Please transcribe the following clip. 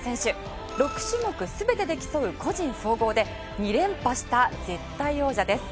６種目全てで競う個人総合で２連覇した、絶対王者です。